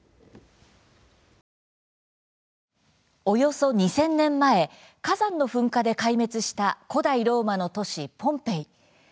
およそ２０００年前火山の噴火で壊滅した古代ローマの都市、ポンペイ。